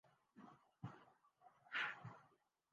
یہ وہ گیت ہے جو انقلاب کے موسم میں گایا جاتا ہے۔